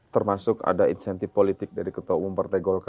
termasuk ada insentif politik dari ketua umum partai golkar